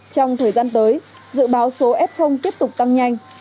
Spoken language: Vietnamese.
trong thời gian tới dự báo số f tiếp tục tăng nhanh